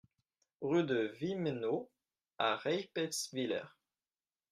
Rue de Wimmenau à Reipertswiller